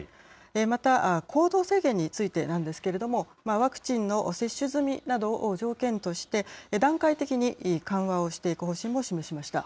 また、行動制限についてなんですけれども、ワクチンの接種済みなどを条件として、段階的に緩和をしていく方針も示しました。